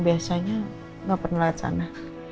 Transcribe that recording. biasanya nggak pernah ke sana